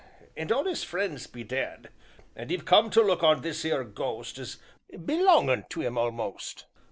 and all 'is friends be dead, and he've come to look on this 'ere ghost as belongin' to 'im a'most.